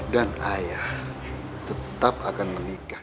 dan ayah tetep akan menikah